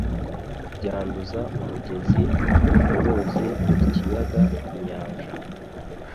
byanduza umugezi, uruzi, ikiyaga, inyanja,